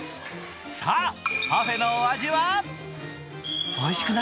さあ、パフェのお味は？